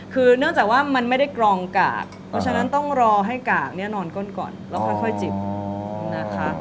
คือเนื่องจากว่ามันไม่ได้กรองกากเพราะฉะนั้นต้องรอให้กากเนี่ยนอนก้นก่อนแล้วค่อยจิบนะคะ